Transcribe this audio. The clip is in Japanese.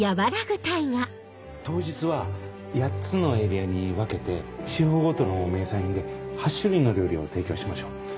当日は８つのエリアに分けて地方ごとの名産品で８種類の料理を提供しましょう。